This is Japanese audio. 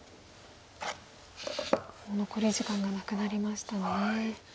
もう残り時間がなくなりましたね。